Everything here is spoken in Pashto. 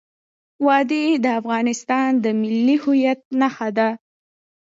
وادي د افغانستان د ملي هویت نښه ده.